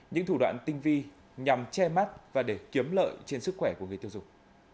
những thủ đoạn tinh vi nhằm che mắt và để kiếm lợi trên sức khỏe của người tiêu dùng